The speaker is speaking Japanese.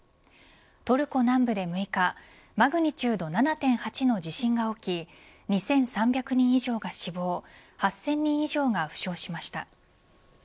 トルコ南部で６日マグニチュード７．８の地震が起き２３００人以上が死亡８０００人以上が負傷しました。